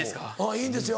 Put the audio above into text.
いいんですよ。